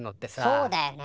そうだよね。